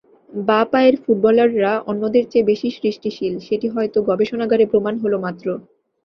বাঁ পায়ের ফুটবলাররা অন্যদের চেয়ে বেশি সৃষ্টিশীল—সেটি হয়তো গবেষণাগারে প্রমাণ হলো মাত্র।